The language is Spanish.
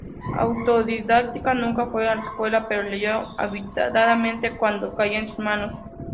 Autodidacta, nunca fue a la escuela, pero leyó ávidamente cuanto caía en sus manos.